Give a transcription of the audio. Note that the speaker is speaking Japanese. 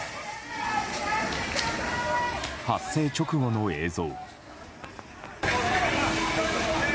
発生直後の映像。